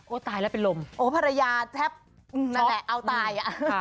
โอ๊ยตายแล้วเป็นลมโอ๊ยภรรยาแทบเอาตายอะ